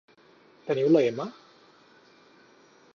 Teniu la m